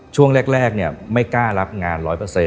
ช่วงแรกไม่กล้ารับงาน๑๐๐